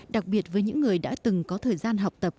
đặc biệt với những người đã từng có thời gian học tập